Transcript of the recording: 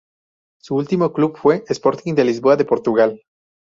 Su último club fue Sporting de Lisboa de Portugal.